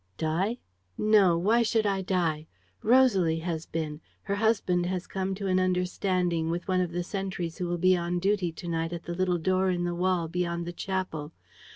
_ "Die? No! Why should I die? Rosalie has been. Her husband has come to an understanding with one of the sentries who will be on duty to night at the little door in the wall, beyond the chapel.